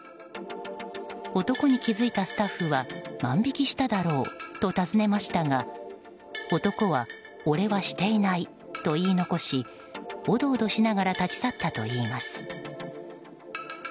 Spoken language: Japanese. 男に気付いたスタッフは万引きしただろうと尋ねましたが男は俺はしていないと言い残しおどおどしながら立ち去ったといいます。